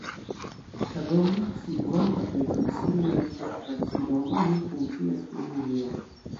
La domo, situanta plej proksime al ĉefstacidomo, nun funkcias kiel muzeo.